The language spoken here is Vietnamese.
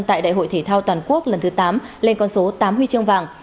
tại đại hội thể thao toàn quốc lần thứ tám lên con số tám huy chương vàng